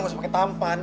masa pake tampan